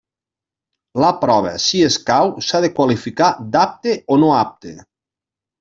La prova si escau, s'ha de qualificar d'apte o no apte.